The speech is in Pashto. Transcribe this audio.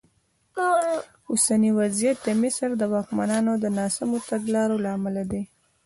اوسنی وضعیت د مصر د واکمنانو د ناسمو تګلارو له امله دی.